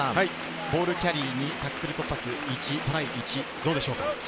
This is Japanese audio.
ボールキャリーにタックル突破数、トライ位置どうでしょうか。